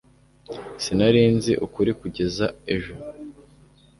Sinari nzi ukuri kugeza ejo